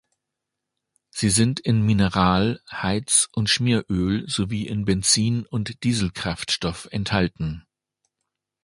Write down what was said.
Sie sind in Mineral-, Heiz- und Schmieröl sowie in Benzin- und Dieselkraftstoff enthalten.